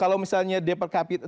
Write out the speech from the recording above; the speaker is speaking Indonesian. kalau misalnya dep per kapita